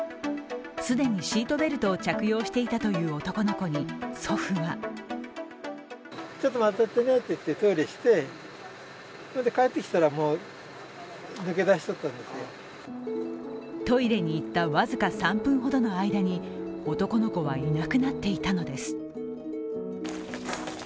既にシートベルトを着用していたという男の子に、祖父はトイレに行った僅か３分ほどの間に男の子はいなくなっていたのです。